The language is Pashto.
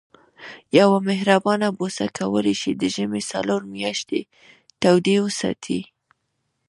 یوه مهربانه بوسه کولای شي د ژمي څلور میاشتې تودې وساتي.